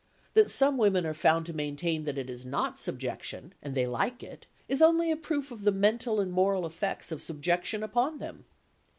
That some women are found to maintain that it is not subjection and they like it, is only a proof of the mental and moral effects of subjection upon them.